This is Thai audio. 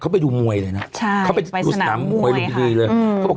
เขาไปดูมวยเลยนะใช่เขาไปดูสนามมวยลุมพินีเลยเขาบอก